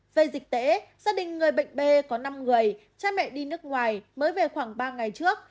về dịch tễ gia đình người bệnh b có năm người cha mẹ đi nước ngoài mới về khoảng ba ngày trước